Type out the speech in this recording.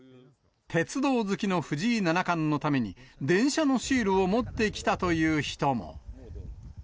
鉄道好きの藤井七冠のために、電車のシールを持ってきたという人も。